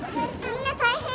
みんな大変。